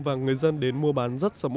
và người dân đến mua bán